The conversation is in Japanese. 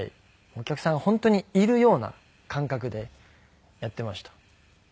お客さんが本当にいるような感覚でやっていました。